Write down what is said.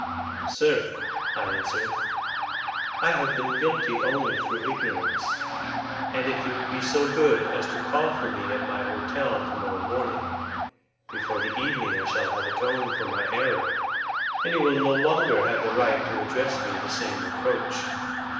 "Sir," I answered, "I have been guilty only through ignorance, and if you would be so good as to call for me at my hotel to morrow morning, before the evening I shall have atoned for my error, and you will no longer have the right to address me the same reproach."